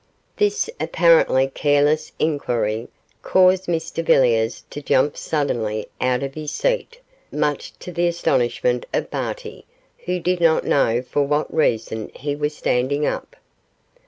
This apparently careless inquiry caused Mr Villiers to jump suddenly out of his seat, much to the astonishment of Barty, who did not know for what reason he was standing up.